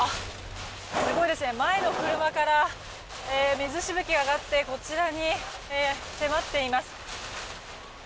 すごいですね前の車から水しぶきが上がってこちらに迫っています。